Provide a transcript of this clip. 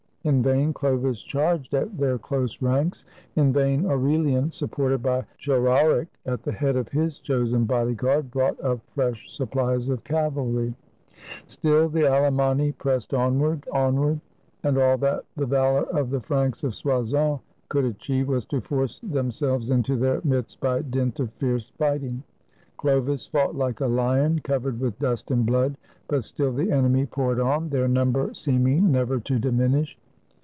In vain Chlovis charged at their close ranks; in vain Aurelian, supported by Chararic at the head of his chosen body guard, brought up fresh supplies of cavalry. 146 THE CHRISTMAS OF 496 Still the Alemanni pressed onward, onward, and all that the valor of the Franks of Soissons could achieve was to force themselves into their midst by dint of fierce fighting. Chlovis fought like a lion, covered with dust and blood, but still the enemy poured on, their number seeming never to diminish.